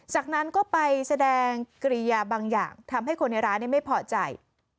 จากนั้นก็ไปแสดงกิริยาบางอย่างทำให้คนในร้านไม่พอใจ